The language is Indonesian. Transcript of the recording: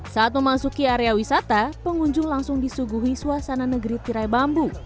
saat memasuki area wisata pengunjung langsung disuguhi suasana negeri tirai bambu